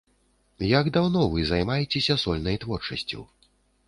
Як даўно вы займаецеся сольнай творчасцю?